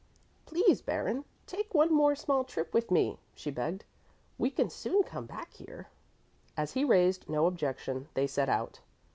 "Please, Baron, take one more small trip with me," she begged. "We can soon come back here." As he raised no objection, they set out.